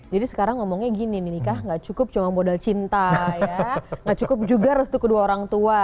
jadi sekarang ngomongnya gini nih nikah gak cukup cuma modal cinta gak cukup juga restu kedua orang tua